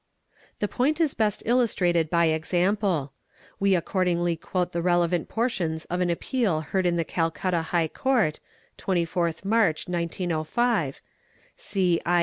| The point is best illustrated by an example; we accordingly quote the relevant portions of an appeal heard in the Calcutta High Court (24th March 1905), see 1.L.